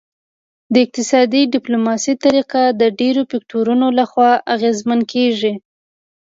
د اقتصادي ډیپلوماسي طریقه د ډیرو فکتورونو لخوا اغیزمن کیږي